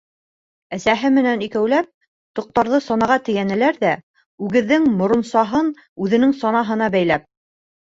Әсәһе менән икәүләп тоҡтарҙы санаға тейәнеләр ҙә, үгеҙҙең моронсаһын үҙенең санаһына бәйләп: